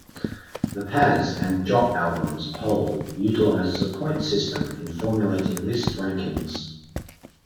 The Pazz and Jop albums poll utilizes a points system in formulating list rankings.